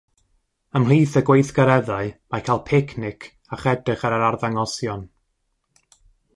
Ymhlith y gweithgareddau mae cael picnic ac edrych ar yr arddangosion.